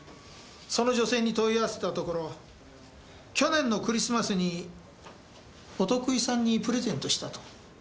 その女性に問い合わせたところ去年のクリスマスにお得意さんにプレゼントしたと。